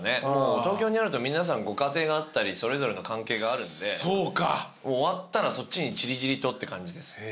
東京にあると皆さんご家庭があったりそれぞれの関係があるので終わったらそっちに散り散りとって感じです。